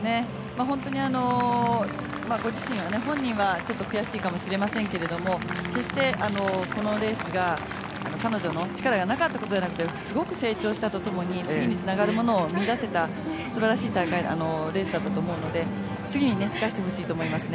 本当にご自身本人は悔しいかもしれませんけど決してこのレースが彼女の力がなかったことじゃなくてすごく成長したとともに次につながるものを見いだせた素晴らしいレースだったと思うので次に生かしてほしいと思いますね。